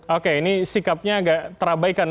oke ini sikapnya agak terabaikan